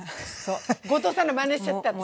後藤さんのまねしちゃった私。